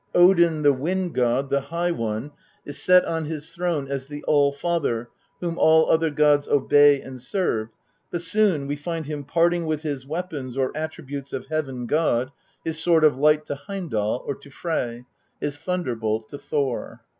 Odin, the Wind god, the High One, is set on his throne as the All father whom all other gods obey and serve, but soon we find him parting with his weapons or attributes of Heaven god his sword of light to Heimdal or to Frey, his thunderbolt to Thor.